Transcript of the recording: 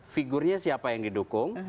figurnya siapa yang didukung